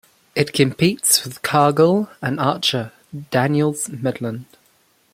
It competes with Cargill and Archer Daniels Midland.